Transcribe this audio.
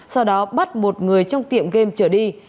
sau đó bắt một người trong tiệm game trở đi